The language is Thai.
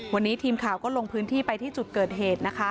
วันนี้ทีมข่าวก็ลงพื้นที่ไปที่จุดเกิดเหตุนะคะ